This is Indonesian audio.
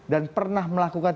dan pernah melakukan